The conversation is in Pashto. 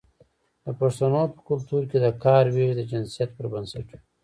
د پښتنو په کلتور کې د کار ویش د جنسیت پر بنسټ وي.